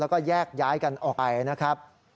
แล้วก็แยกย้ายกันออกไปนะครับ